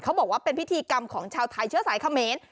บอกว่าเป็นพิธีกรรมของชาวไทยเชื้อสายเขมร